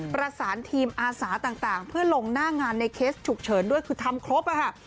ประสานทีมอาสาต่างเพื่อลงหน้างานในเคสฉุกเฉินด้วยคือทำครบอะค่ะ